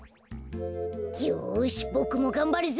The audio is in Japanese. よしボクもがんばるぞ！